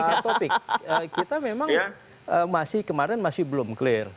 pak taufik kita memang kemarin masih belum clear